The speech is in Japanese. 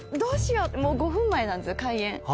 もう５分前なんですよ開演。